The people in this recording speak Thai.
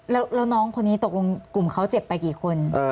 แล้วน้องคนนี้ตกลงกลุ่มเขาเจ็บไปกี่คน